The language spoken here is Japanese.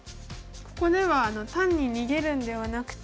ここでは単に逃げるんではなくて。